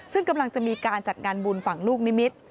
ซึ่งกำลังจะมีการจัดงานบุญฝั่งลูกนิมิตร